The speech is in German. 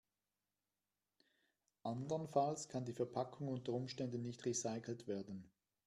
Andernfalls kann die Verpackung unter Umständen nicht recycelt werden.